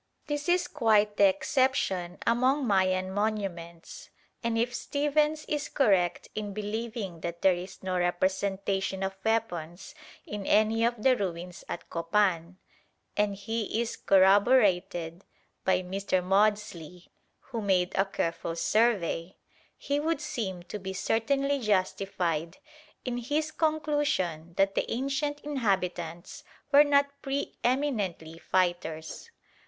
This is quite the exception among Mayan monuments, and if Stephens is correct in believing that there is no representation of weapons in any of the ruins at Copan, and he is corroborated by Mr. Maudslay, who made a careful survey, he would seem to be certainly justified in his conclusion that the ancient inhabitants were not pre eminently fighters.